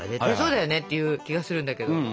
絶対そうだよねっていう気がするんだけど。